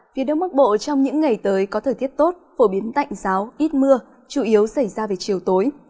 phía đông bắc bộ trong những ngày tới có thời tiết tốt phổ biến tạnh giáo ít mưa chủ yếu xảy ra về chiều tối